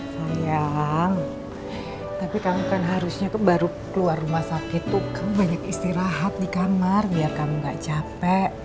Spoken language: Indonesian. sayang tapi kamu kan harusnya baru keluar rumah sakit tuh kamu banyak istirahat di kamar biar kamu gak capek